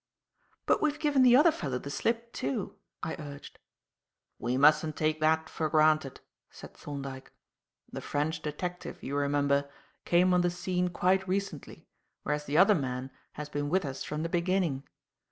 "But we've given the other fellow the slip, too," I urged. "We mustn't take that for granted," said Thorndyke. "The French detective, you remember, came on the scene quite recently, whereas the other man has been with us from the beginning.